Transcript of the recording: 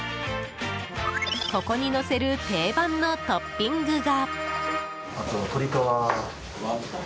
ここにのせる定番のトッピングが。